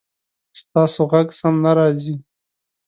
ستاسو غږ سم نه راځي